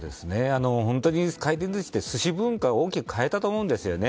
本当に回転寿司って寿司文化を大きく変えたと思うんですね。